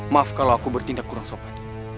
maaf kalau aku bertindak kurang sopan